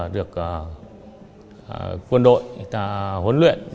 được quân đội huấn luyện